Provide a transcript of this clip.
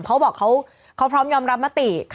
เขาพร้อมยอมรับมติ